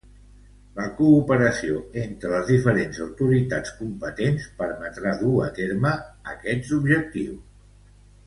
La cooperació entre les diferents autoritats competents permetrà dur a terme estos objectius.